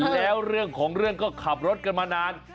แล้วเรื่องของเรื่องก็ขับรถกันมานาน